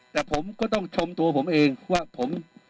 แต่ผมก็ต้องชมตัวผมเองว่าผม